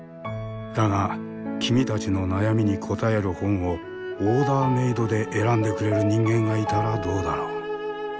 だが君たちの悩みに答える本をオーダーメードで選んでくれる人間がいたらどうだろう？